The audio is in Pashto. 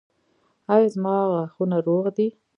ایا زما غاښونه روغ دي؟